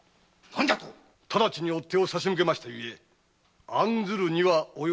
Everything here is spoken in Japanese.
直ちに討っ手を出しましたゆえ案ずるにはおよばぬかと。